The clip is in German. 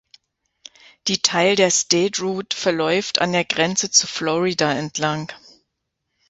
Die Teil der State Route verläuft an der Grenze zu Florida entlang.